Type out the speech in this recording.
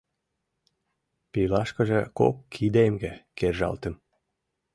Пилашкыже кок кидемге кержалтым.